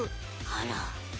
あら。